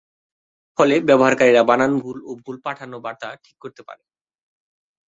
ফলে ব্যবহারকারীরা বানান ভুল ও ভুলে পাঠানো বার্তা ঠিক করতে পারে।